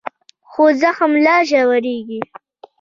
خو زخم لا ژورېږي.